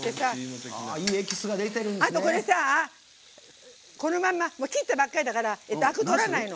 あと、このまま切ったばっかりだからあくを取らないの。